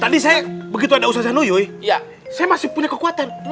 tadi saya begitu ada ustadz zanuyuy saya masih punya kekuatan